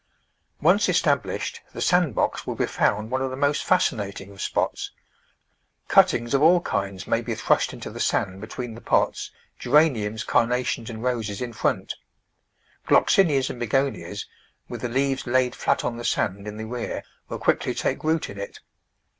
Once established, the sand box will be found one of the most fascinating of spots. Cuttings of all kinds may be thrust into the sand between the pots — Gera niums, Carnations and Roses in front. Gloxinias and Begonias — with the leaves laid flat on the sand in the rear — will quickly take root in it.